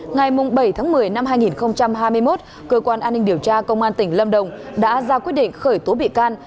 ngày bảy tháng một mươi năm hai nghìn hai mươi một cơ quan an ninh điều tra công an tỉnh lâm đồng đã ra quyết định khởi tố bị can